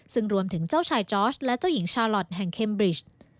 ซึ่งรวมถึงเจ้าชายจอร์สและเจ้าหญิงชาลอทแห่งเคมบริช